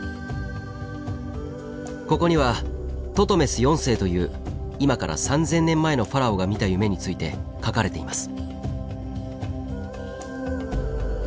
ここにはトトメス４世という今から３０００年前のファラオが見た夢について書かれています。